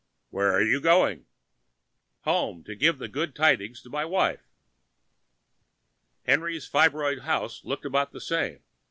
"Where are you going?" "Home, to give the good tidings to my wife." Henry's fibroid house looked about the same.